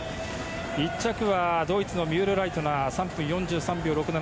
１着はドイツのミュールライトナー３分４３秒６７。